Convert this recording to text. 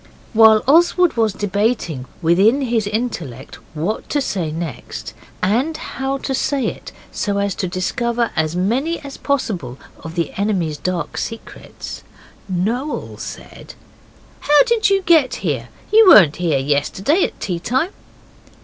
While Oswald was debating within his intellect what to say next, and how to say it so as to discover as many as possible of the enemy's dark secrets, Noel said 'How did you get here? You weren't here yesterday at tea time.